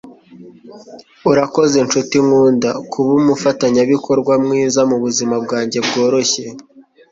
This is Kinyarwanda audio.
urakoze nshuti nkunda, kuba umufatanyabikorwa mwiza mubuzima bwanjye bworoshye